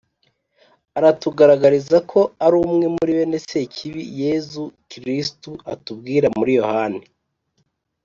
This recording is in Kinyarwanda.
aratugaragariza ko ari umwe muri bene Sekibi Yezu Kristu atubwira muri Yohani